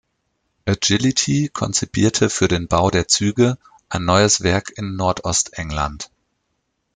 Agility konzipierte für den Bau der Züge ein neues Werk in Nordostengland.